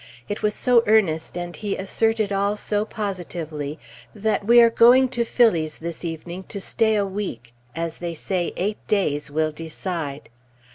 It was so earnest, and he asserted all so positively, that we are going to Phillie's this evening to stay a week, as they say eight days will decide.